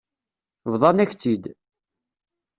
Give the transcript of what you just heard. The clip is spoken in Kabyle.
Bḍan-ak-tt-id.